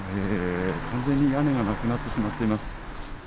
完全に屋根がなくなってしまっています。